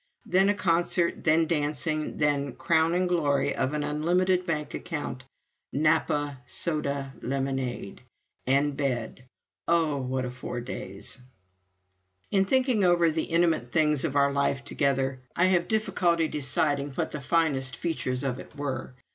Then a concert, then dancing, then crowning glory of an unlimited bank account Napa soda lemonade and bed. Oh, what a four days! In thinking over the intimate things of our life together, I have difficulty in deciding what the finest features of it were.